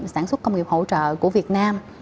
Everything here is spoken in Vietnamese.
sản xuất công nghiệp hỗ trợ của việt nam